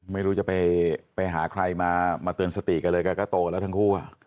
ไม่รู้จะไปหาใครมาเตือนสติกันเลยแกก็โตแล้วทั้งคู่